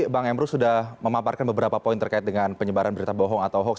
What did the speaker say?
bang emrus sudah memaparkan beberapa poin terkait dengan penyebaran berita bohong atau hoax